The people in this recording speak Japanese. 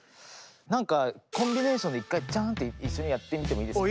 なんかコンビネーションで一回ジャンって一緒にやってみてもいいですか？